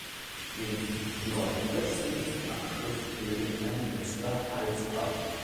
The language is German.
Den nordöstlichen Abschluss bildet ein letzter Halsgraben.